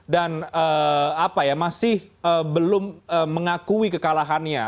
dan apa ya masih belum mengakui kekalahannya